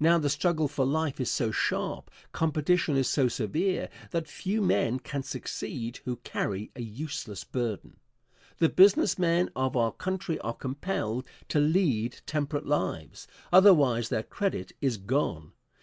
Now the struggle for life is so sharp, competition is so severe, that few men can succeed who carry a useless burden. The business men of our country are compelled to lead temperate lives, otherwise their credit is gone.